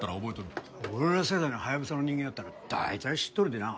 俺ら世代のハヤブサの人間やったら大体知っとるでな。